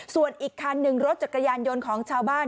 ส่วนอีกคันหนึ่งรถจักรยานยนต์ของชาวบ้าน